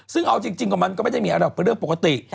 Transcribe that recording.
ซึ่งเอาจริงกว่ามันก็ไม่ได้มีอะไรประเด็นปกติ